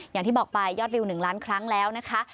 อย่างที่บอกไปยอดวิว๑ล้านครั้งแล้วนะคะ